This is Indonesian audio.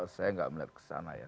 saya gak melihat ke sana ya